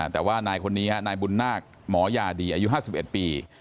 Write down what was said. แต่ว่านายคนนี้นายบุญนาคหมอยาดีอายุ๕๑ปี